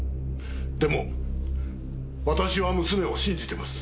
でも私は娘を信じています。